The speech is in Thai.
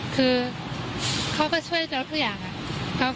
คือเขาก็ช่วยเจ้าทุกอย่างอะ